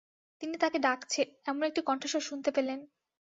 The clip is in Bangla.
তিনি তাকে ডাকছে এমন একটি কন্ঠস্বর শুনতে পেলেন।